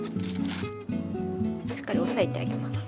しっかり押さえてあげます。